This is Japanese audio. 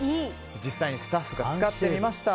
実際にスタッフが使ってみました。